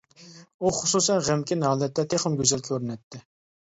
ئۇ خۇسۇسەن غەمكىن ھالەتتە تېخىمۇ گۈزەل كۆرۈنەتتى.